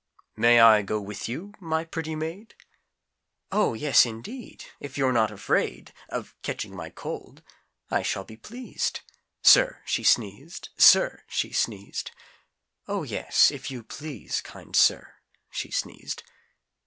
"May I go with you, my pretty maid?" "Oh, yes, indeed, if you're not afraid Of catching my cold, I shall be pleased," "Sir," she sneezed, "Sir," she sneezed, "Oh, yes, if you please, kind sir," she sneezed.